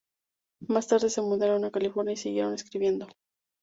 Más tarde se mudaron a California y siguieron escribiendo.